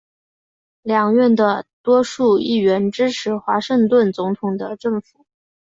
两院的多数议员支持华盛顿总统的政府。